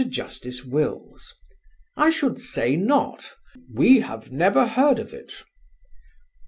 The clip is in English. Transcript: Justice Wills: "I should say not; we have never heard of it."